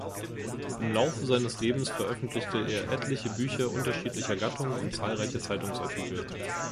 Im Laufe seines Lebens veröffentlichte er etliche Bücher unterschiedlicher Gattungen und zahlreiche Zeitungsartikel.